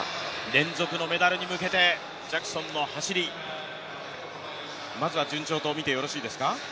連続のメダルに向けてジャクソンの走りまずは順調とみてよろしいですか？